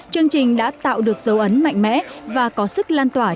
chương trình đã tạo được dấu ấn mạnh mẽ và có sức lan tỏa